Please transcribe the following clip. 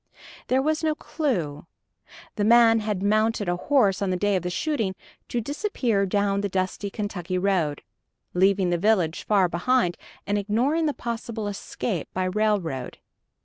There was no clew. The man had mounted a horse on the day of the shooting, to disappear down the dusty Kentucky road, leaving the village far behind and ignoring the possible escape by railroad.